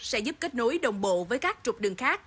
sẽ giúp kết nối đồng bộ với các trục đường khác